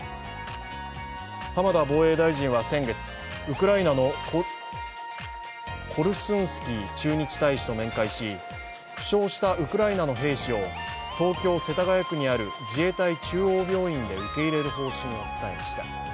浜田防衛大臣は先月、ウクライナのコルスンスキー駐日大使と面会し負傷したウクライナの兵士を東京・世田谷区にある自衛隊中央病院で受け入れる方針を伝えました。